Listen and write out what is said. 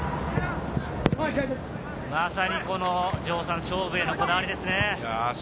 まさにこの勝負へのこだわりですね。